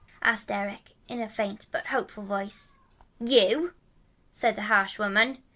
asked Eric in a faint but hopeful voice. "You!" said the harsh woman.